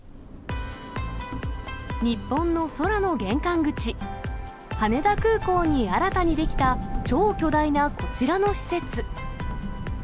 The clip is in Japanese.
日本の空の玄関口、羽田空港に新たに出来た超巨大なこちらの施設。